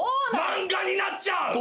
漫画になっちゃう！